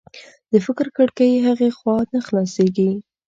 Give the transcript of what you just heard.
د فکر کړکۍ هغې خوا نه خلاصېږي